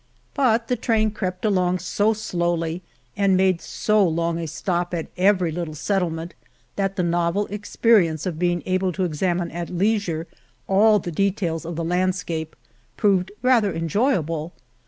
But the train crept along so slowly and made so long a stop at every little settlement that the novel experience of being able to exam ine at leisure all details of the landscape proved rather enjoyable.